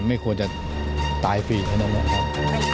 ไม่ควรจะตายฟีดให้น้องน้องครับ